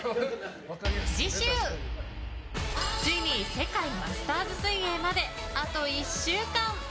次週、ついに世界マスターズ水泳まであと１週間。